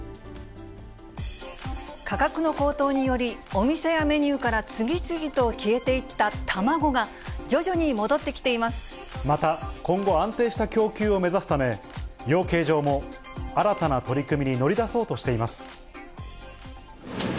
価格の高騰により、お店やメニューから次々と消えていった卵が、徐々に戻ってきていまた今後、安定した供給を目指すため、養鶏場も新たな取り組みに乗り出そうとしています。